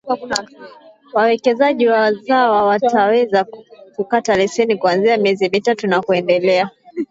Wawekezaji wazawa wataweza kukata Leseni kuanzia miezi mitatu na kuendelea